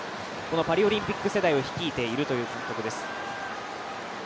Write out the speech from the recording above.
パリオリンピック世代を率いているという監督です。